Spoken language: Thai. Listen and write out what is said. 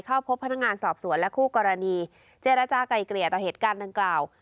เข้าพบพนักงานสอบสวนและคู่กรณีเจรจากลายเกลี่ยต่อเหตุการณ์ดังกล่าว